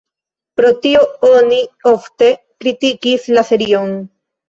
Pro tio oni ofte kritikis la serion.